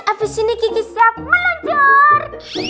abis ini ki ki siap meluncur